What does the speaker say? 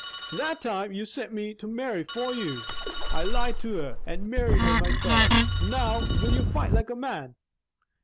"That time you sint me to Mary for you, I lied to her, and married her meself. NOW, will you fight like a man?"